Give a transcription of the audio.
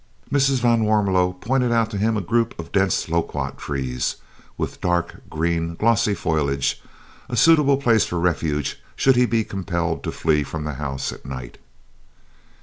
Mrs. van Warmelo pointed out to him a group of dense loquat trees, with dark green, glossy foliage, a suitable place of refuge should he be compelled to flee from the house at night.